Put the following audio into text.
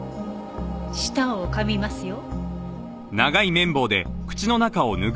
舌を噛みますよ。